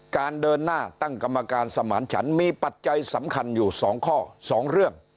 การเดินหน้าตั้งกรรมการสมานฉันมีปัจจัยสำคัญอยู่๒ข้อ๒เรื่อง